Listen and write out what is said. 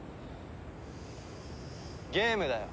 ゲームだよ。